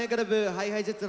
ＨｉＨｉＪｅｔｓ